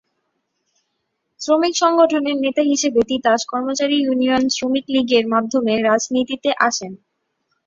শ্রমিক সংগঠনের নেতা হিসেবে তিতাস কর্মচারী ইউনিয়ন শ্রমিক লীগের মাধ্যমে রাজনীতিতে আসেন।